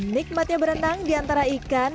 nikmatnya berenang diantara ikan